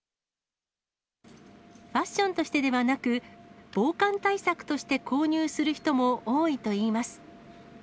ファッションとしてではなく、防寒対策として購入する人も多いといいます。